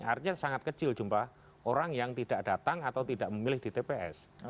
artinya sangat kecil jumlah orang yang tidak datang atau tidak memilih di tps